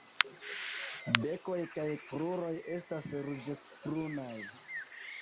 Bekoj kaj kruroj estas ruĝecbrunaj.